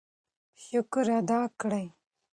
شکر ادا کړئ.